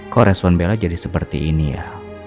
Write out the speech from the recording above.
kok respon bella jadi seperti ini ya